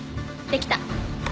できた